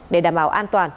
để đảm bảo an toàn